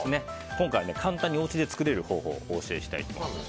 今回は簡単にお家で作れる方法を教えたいと思います。